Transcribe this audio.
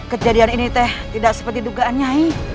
kejadian ini teh tidak seperti dugaannya